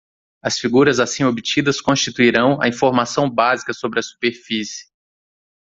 As figuras assim obtidas constituirão a informação básica sobre a superfície.